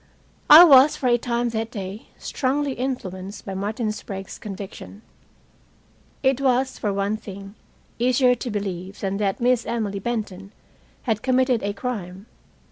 I was, for a time that day, strongly influenced by Martin Sprague's conviction. It was, for one thing, easier to believe than that Emily Benton had committed a crime.